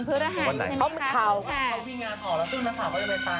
เมื่อกี๊ไม่รู้ว่าเขามีงานออกเมื่อกี๊ฉันต้องหลับไปตาม